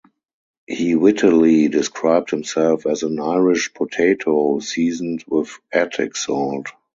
He wittily described himself as an Irish potato seasoned with Attic salt.